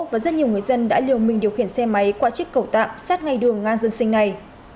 và rất nhiều người dân đã liều mình điều khiển xe máy qua chiếc cầu tạm sát ngay đường ngang dân sinh này